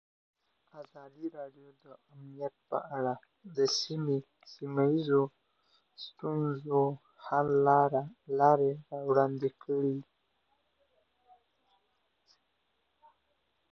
ازادي راډیو د امنیت په اړه د سیمه ییزو ستونزو حل لارې راوړاندې کړې.